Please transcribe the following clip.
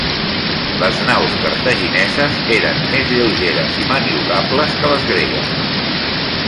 Les naus cartagineses eren més lleugeres i maniobrables que les gregues.